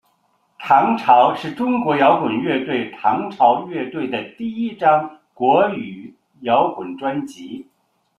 唐朝是中国摇滚乐队唐朝乐队的第一张国语摇滚专辑。